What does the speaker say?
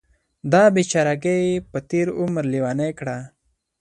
دا بیچارګۍ یې په تېر عمر لیونۍ کړه.